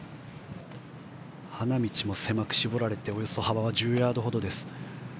花道も狭く絞られて１０ヤードほどです。